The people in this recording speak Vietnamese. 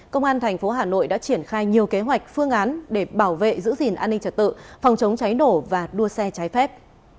công an thành phố hà nội đã triển khai nhiều kế hoạch phương án để bảo vệ giữ gìn an ninh trật tự phòng chống cháy nổ và đua xe trái phép